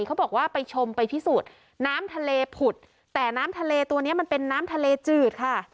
เขาบอกว่าไปชมไปพิสูจน์น้ำทะเลผุดแต่น้ำทะเลตัวนี้มันเป็นน้ำทะเลจืดค่ะ